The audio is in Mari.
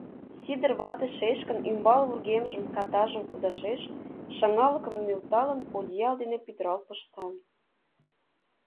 Сидыр вате шешкын ӱмбал вургемжым, катажым кудашеш, шыҥалыкым нӧлталын, одеял дене пӱтырал пышта.